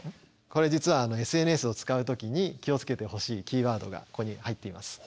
これ実はＳＮＳを使う時に気を付けてほしいキーワードがここに入っています。